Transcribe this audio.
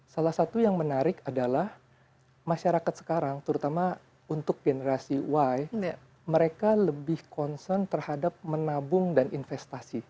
salah satu yang menarik adalah masyarakat sekarang terutama untuk generasi y mereka lebih concern terhadap menabung dan investasi